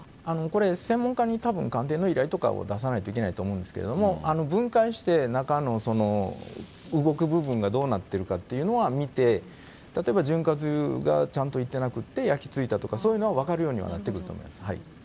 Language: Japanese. これ、専門家にたぶん、鑑定の依頼とかを出さないといけないと思うんですけれども、分解して中の動く部分がどうなっているかというのは見て、例えば潤滑油がちゃんといっていなくて、焼き付いたとか、そういうのは分かるようにはなってると思います。